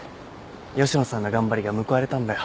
吉野さんの頑張りが報われたんだよ。